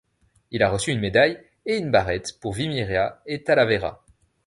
Il a reçu une médaille et une barrette pour Vimiera et Talavera.